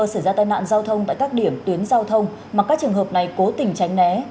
nguy cơ xảy ra tai nạn giao thông tại các điểm tuyến giao thông mà các trường hợp này cố tình tranh né